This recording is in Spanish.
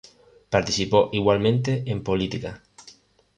Participó igualmente en política.